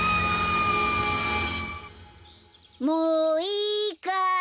もういいかい。